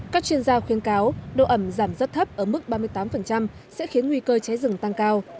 các chuyên gia khuyên cáo độ ẩm giảm rất thấp ở mức ba mươi tám sẽ khiến nguy cơ cháy rừng tăng cao